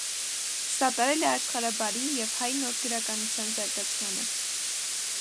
Սատարել է աշխարհաբարի և հայ նոր գրականության զարգացմանը։